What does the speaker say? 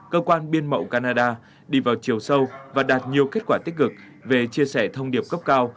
cơ quan biên mậu canada đi vào chiều sâu và đạt nhiều kết quả tích cực về chia sẻ thông điệp cấp cao